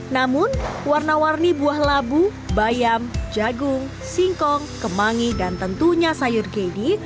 namun warna warni buah labu bayam jagung singkong kemangi dan tentunya sayur gedi